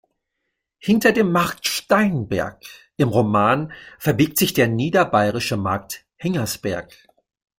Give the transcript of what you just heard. Hinter dem Markt Steinberg im Roman verbirgt sich der niederbayerische Markt Hengersberg.